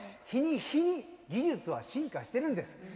日に日に技術は進化してるんです。